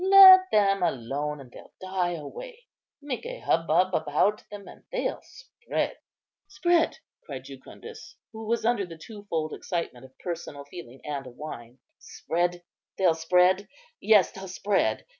Let them alone and they'll die away; make a hubbub about them and they'll spread." "Spread?" cried Jucundus, who was under the twofold excitement of personal feeling and of wine, "spread, they'll spread? yes, they'll spread.